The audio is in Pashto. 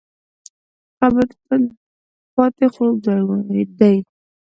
قبر د تل پاتې خوب ځای دی.